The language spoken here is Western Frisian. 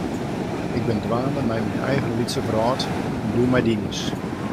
Ik bin dwaande mei myn eigen lytse wrâld en do mei dines.